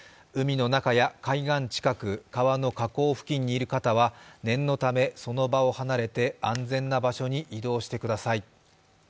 海の中や海岸近く、川の河口付近にいる方は念のためその場を離れて安全な場所に移動してください。